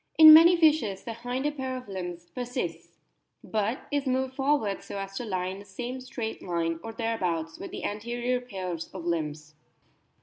In many fishes the hinder pair of limbs persists, but is moved forwards so as to lie in the same straight line, or thereabouts, with the anterior pairs of limbs.